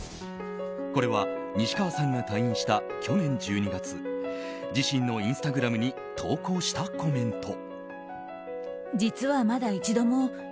これは、西川さんが退院した去年１２月自身のインスタグラムに投稿したコメント。